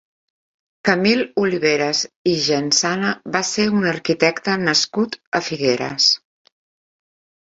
Camil Oliveras i Gensana va ser un arquitecte nascut a Figueres.